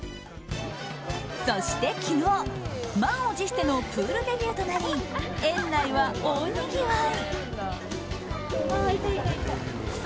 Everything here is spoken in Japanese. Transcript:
そして昨日、満を持してのプールデビューとなり園内は大にぎわい。